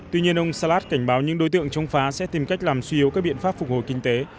tuy nhiên ông salad cảnh báo những đối tượng chống phá sẽ tìm cách làm suy yếu các biện pháp phục hồi kinh tế